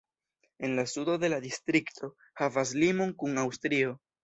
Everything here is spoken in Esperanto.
En la sudo la distrikto havas limon kun Aŭstrio.